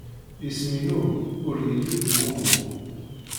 Isem-inu ur yelli deg wumuɣ.